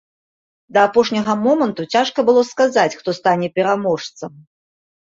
Да апошняга моманту цяжка было сказаць, хто стане пераможцам.